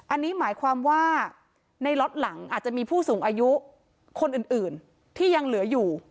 อันนี้หมายความว่าในล็อตหลังอาจจะมีผู้สูงอายุคนอื่นที่ยังเหลืออยู่